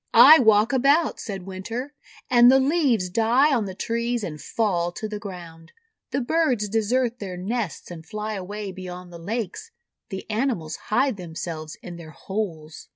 "I walk about," said Winter, "and the leaves die on the trees, and fall to the ground. The birds desert their nests and fly away beyond the lakes. The animals hide themselves in their holes."